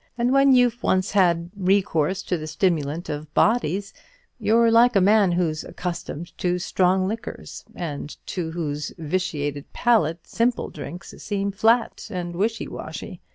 And when you've once had recourse to the stimulant of bodies, you're like a man who's accustomed to strong liquors, and to whose vitiated palate simple drinks seem flat and wishy washy.